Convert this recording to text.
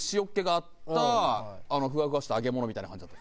フワフワした揚げ物みたいな感じだった。